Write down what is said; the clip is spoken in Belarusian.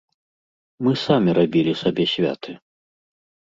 Мы самі рабілі сабе святы.